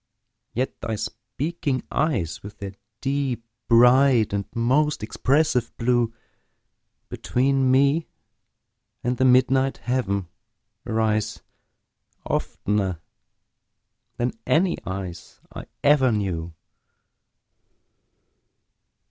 yet thy speaking eyes, With their deep, bright and most expressive blue Between me and the midnight heaven arise, Oftener than any eyes I ever knew.